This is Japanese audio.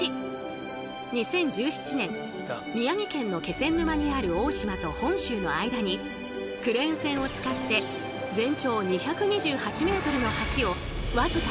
２０１７年宮城県の気仙沼にある大島と本州の間にクレーン船を使って全長２２８ｍの橋をわずか１日で架けたんだとか！